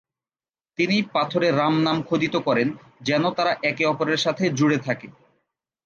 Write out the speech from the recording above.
তিনি পাথরে রাম নাম খোদিত করেন যেন তারা একে অপরের সাথে জুড়ে থাকে।